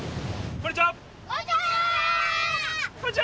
こんにちは！